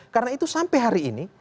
karena itu sampai hari ini